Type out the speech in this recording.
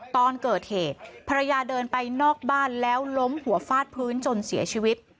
ตอนเกิดเหตุภรรยาเดินไปนอกบ้านแล้วล้มหัวฟาดพื้นจนเสียชีวิต